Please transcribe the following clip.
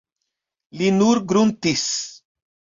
Li nur gruntis.